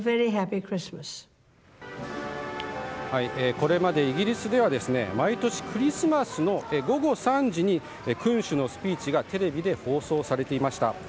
これまでイギリスでは毎年クリスマスの午後３時に君主のスピーチがテレビで放送されていました。